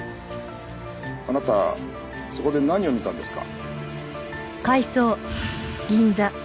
あなたそこで何を見たんですか？